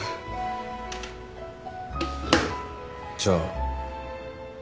じゃあ。